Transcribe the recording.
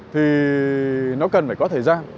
thì nó cần phải có thời gian